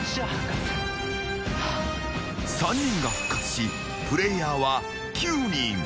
［３人が復活しプレイヤーは９人］